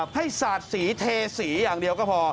ให้สาดสีเทสีอย่างเดียวก็พอ